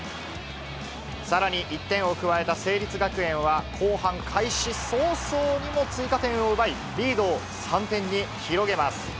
さらに１点を加えた成立学園は、後半開始早々にも追加点を奪い、リードを３点に広げます。